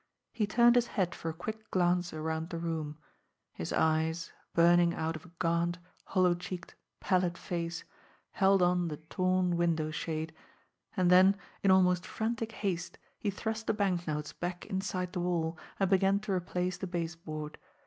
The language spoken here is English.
He turned his head for a quick glance around the room, his eyes, burning out of a gaunt, hollow cheeked, pallid face, held on the torn window shade and then, in almost frantic haste, he thrust the banknotes back inside the wall, and began to replace the base board.